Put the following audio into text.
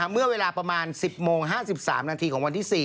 เมื่อเวลาประมาณ๑๐โมง๕๓นาทีของวันที่๔